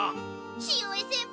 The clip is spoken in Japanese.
潮江先輩。